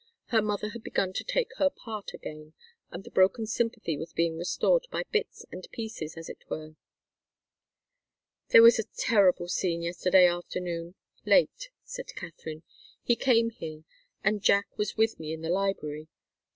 Her mother had begun to take her part again, and the broken sympathy was being restored by bits and pieces, as it were. "There was a terrible scene yesterday afternoon late," said Katharine. "He came here, and Jack was with me in the library."